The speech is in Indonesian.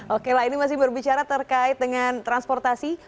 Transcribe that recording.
oke lah ini masih berbicara terkait dengan transportasi